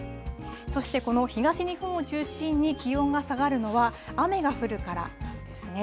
そしてこの東日本を中心に気温が下がるのは、雨が降るからなんですね。